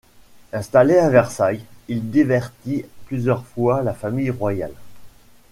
Installé à Versailles il divertit plusieurs fois la famille royale.